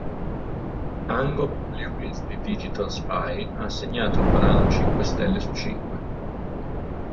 Angolo Lewis di Digital Spy ha assegnato al brano cinque stelle su cinque.